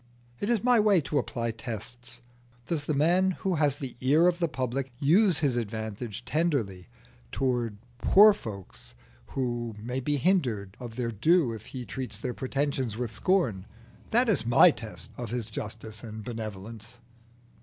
It is my way to apply tests. Does the man who has the ear of the public use his advantage tenderly towards poor fellows who may be hindered of their due if he treats their pretensions with scorn? That is my test of his justice and benevolence."